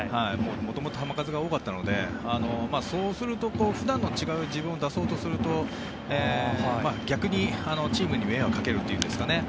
元々、球数が多かったのでそうすると、普段の違う自分を出そうとすると逆にチームに迷惑をかけるというんですかね。